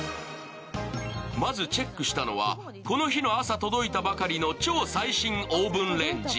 まず、チェックしたのは、この日の朝届いたばかりの超最新オーブンレンジ。